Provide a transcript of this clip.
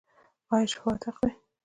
آیا شفاعت حق دی؟